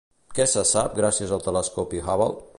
Què se sap gràcies al telescopi Hubble?